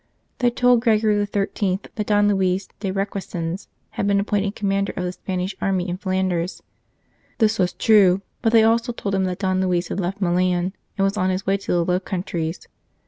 They told Gregory XIII. that Don Luis de Requesens had been appointed Commander of the Spanish Army in Flanders. This was true, but they also told him that Don Luis had left Milan, and was on his way to the Low Countries.